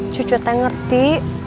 cucu teh ngerti